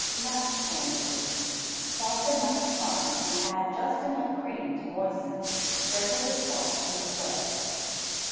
Nut Sandwiches Chop the nuts fine and add just enough cream to moisten; sprinkle with salt and spread.